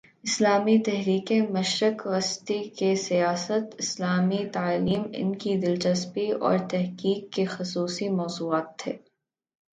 اسلامی تحریکیں، مشرق وسطی کی سیاست، اسلامی تعلیم، ان کی دلچسپی اور تحقیق کے خصوصی موضوعات تھے۔